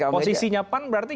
posisinya pan berarti